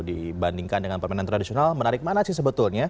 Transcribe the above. dibandingkan dengan permainan tradisional menarik mana sih sebetulnya